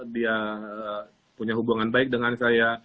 dia punya hubungan baik dengan saya